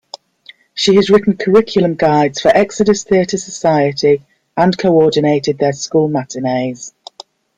She has written curriculum guides for Exodus Theatre Society and coordinated their school matinees.